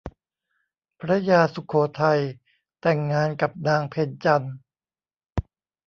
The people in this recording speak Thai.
พระยาสุโขทัยแต่งงานกับนางเพ็ญจันทร์